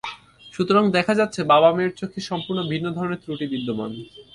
সুতরাং দেখা যাচ্ছে, বাবা মেয়ের চোখে সম্পূর্ণ ভিন্ন ধরনের ত্রুটি বিদ্যমান।